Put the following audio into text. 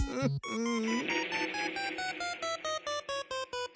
うん！